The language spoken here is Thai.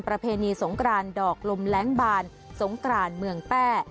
ประเพณีสงกรานดอกลมแรงบานสงกรานเมืองแป้